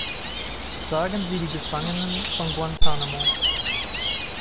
Fragen Sie die Gefangenen von Guantanamo.